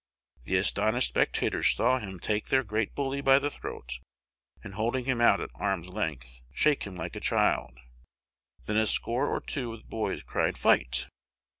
The astonished spectators saw him take their great bully by the throat, and, holding him out at arm's length, shake him like a child. Then a score or two of the boys cried "Fight!"